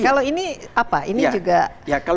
kalau ini apa